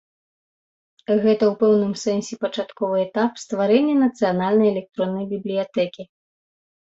Гэта ў пэўным сэнсе пачатковы этап стварэння нацыянальнай электроннай бібліятэкі.